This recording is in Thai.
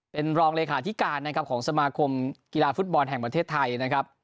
เป็นรองเลขาธิการนะครับของสมาคมกีฬาฟุตบอลแห่งประเทศไทยนะครับ